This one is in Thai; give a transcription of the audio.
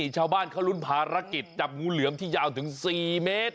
ชาวบ้านเขาลุ้นภารกิจจับงูเหลือมที่ยาวถึง๔เมตร